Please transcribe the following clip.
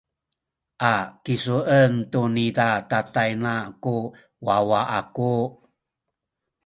a kisuen tu niza tatayna ku wawa aku.